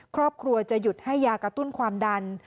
ครอบครัวจะหยุดให้ยากระตุ้นความดัน